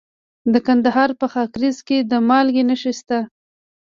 د کندهار په خاکریز کې د مالګې نښې شته.